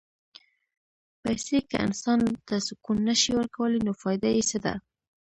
پېسې که انسان ته سکون نه شي ورکولی، نو فایده یې څه ده؟